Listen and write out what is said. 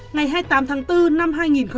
ngày hai mươi tám tháng bốn năm hai nghìn hai mươi